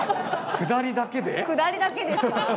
下りだけですか？